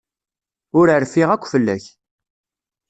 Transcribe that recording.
Ur rfiɣ akk fell-ak.